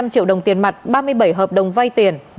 hai trăm linh triệu đồng tiền mặt ba mươi bảy hợp đồng vay tiền